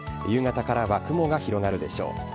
夕方からは雲が広がるでしょう。